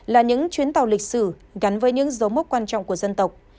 là những chuyến tàu lịch sử gắn với những dấu mốc quan trọng của dân tộc